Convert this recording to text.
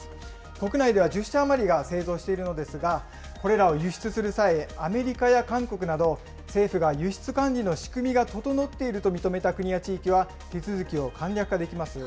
国内では１０社余りが製造しているのですが、これらを輸出する際、アメリカや韓国など、政府が輸出管理の仕組みが整っていると認めた国や地域は手続きを簡略化できます。